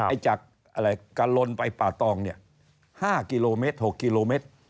จากอะไรกะลนไปป่าตองเนี่ย๕กิโลเมตร๖กิโลเมตร